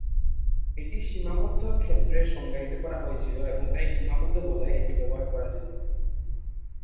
এটি সীমাবদ্ধ ক্ষেত্রে সংজ্ঞায়িত করা হয়েছিল এবং তাই সীমাবদ্ধ বলয়ে এটি ব্যবহার করা যেত।